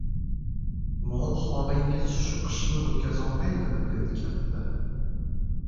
— Mol-holingiz shu qishni o‘tkazolmaydimi? — dedi katta.